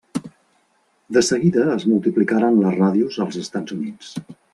De seguida es multiplicaren les ràdios als Estats Units.